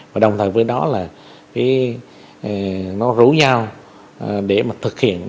và đồng thời với đó là nó rủ nhau để mà thực hiện